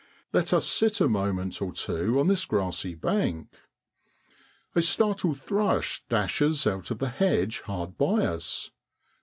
Let us sit a moment or two on this grassy bank. A startled thrush dashes out of the hedge hard by us.